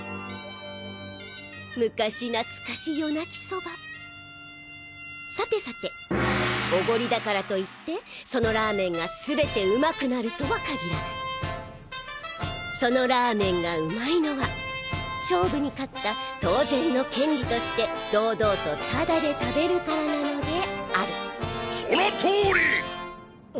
昔なつかし夜鳴きソバさてさておごりだからといってそのラーメンが全てうまくなるとは限らないそのラーメンがうまいのは勝負に勝った当然の権利として堂々とタダで食べるからなのであるその通り！